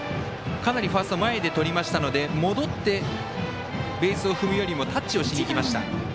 かなりファーストがとりましたので戻ってベースを踏むよりもタッチをしにいきました。